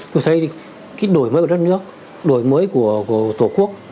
tôi thấy cái đổi mới của đất nước đổi mới của tổ quốc